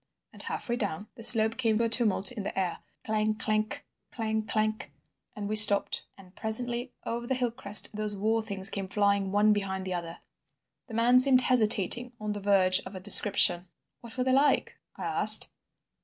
And half way down the slope came a tumult in the air, clang clank, clang clank, and we stopped, and presently over the hill crest those war things came flying one behind the other." The man seemed hesitating on the verge of a description. "What were they like?" I asked.